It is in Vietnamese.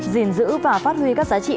gìn giữ và phát huy các giá trị